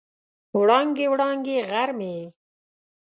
وړانګې، وړانګې غر مې یې